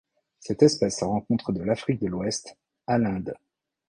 Cette espèce se rencontre de l'Afrique de l'Ouest à l'Inde.